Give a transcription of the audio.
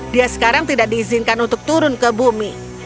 dia sekarang tidak diizinkan untuk turun ke bumi